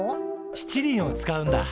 しちりんをつかうんだ。